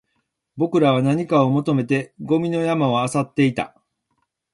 僕らは何かを求めてゴミの山を漁っていた